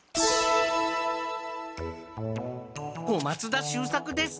小松田秀作です。